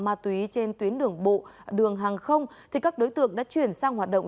ma túy trên tuyến đường bộ đường hàng không thì các đối tượng đã chuyển sang hoạt động